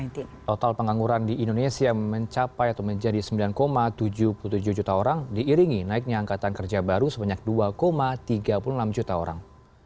total pengangguran di indonesia mencapai atau menjadi sembilan tujuh puluh tujuh juta orang diiringi naiknya angkatan kerja baru sebanyak dua tiga puluh enam juta orang